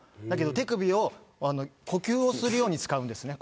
手首を呼吸するように使うんです。